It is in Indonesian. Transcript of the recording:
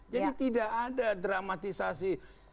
jadi tidak ada dramatisasi